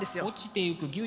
「落ちていく」